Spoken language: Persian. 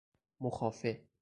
مخافه